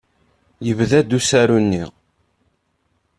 Yebda-d usaru-nni.